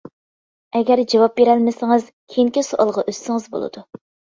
ئەگەر جاۋاب بېرەلمىسىڭىز، كېيىنكى سوئالغا ئۆتسىڭىز بولىدۇ.